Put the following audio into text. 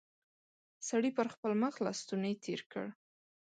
سړي پر خپل مخ لستوڼی تېر کړ.